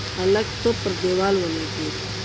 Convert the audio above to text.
هلک لکه توپ پر دېوال ولگېد.